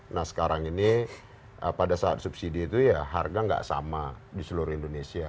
nah sekarang ini pada saat subsidi itu ya harga nggak sama di seluruh indonesia